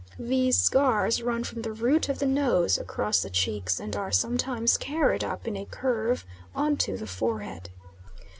These scars run from the root of the nose across the cheeks, and are sometimes carried up in a curve on to the forehead.